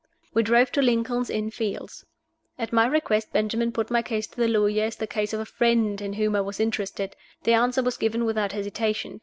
We drove to Lincoln's Inn Fields. At my request Benjamin put my case to the lawyer as the case of a friend in whom I was interested. The answer was given without hesitation.